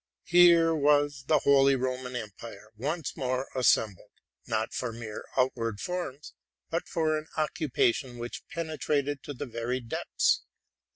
Here was the holy Roman Empire once more assembled, not for mere outward forms, but for an occupation which penetrated to the very depths.